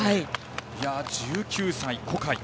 １９歳、小海。